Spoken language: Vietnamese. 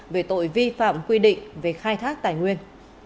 về tội vi phạm quy định về khai thác tài nguyên